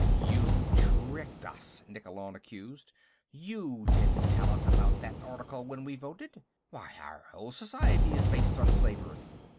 "You tricked us!" Nikkolon accused. "You didn't tell us about that article when we voted. Why, our whole society is based on slavery!"